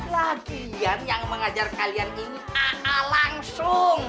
lagian yang mengajar kalian ini aa langsung